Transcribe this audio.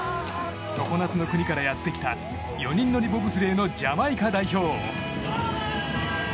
常夏の国からやってきた４人乗りボブスレーのジャマイカ代表。